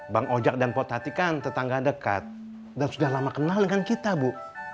bang ojek dan potati kan tetangga dekat dan sudah lama kenal dengan kita bu